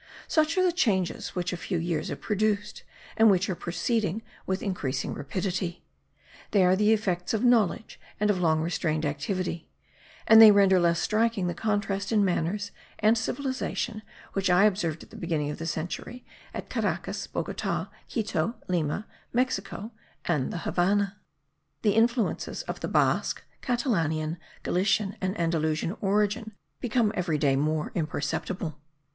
Such are the changes which a few years have produced, and which are proceeding with increasing rapidity. They are the effects of knowledge and of long restrained activity; and they render less striking the contrast in manners and civilization which I observed at the beginning of the century, at Caracas, Bogota, Quito, Lima, Mexico and the Havannah. The influences of the Basque, Catalanian, Galician and Andalusian origin become every day more imperceptible.